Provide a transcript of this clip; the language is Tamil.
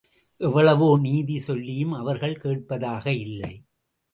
எவ்வளவோ நீதி சொல்லியும் அவர்கள் கேட்பதாக இல்லை.